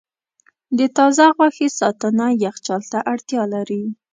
د تازه غوښې ساتنه یخچال ته اړتیا لري.